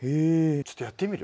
ちょっとやってみる？